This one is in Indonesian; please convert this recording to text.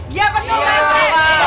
iya betul pak rt